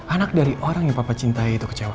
anak dari orang yang papa cintai itu kecewa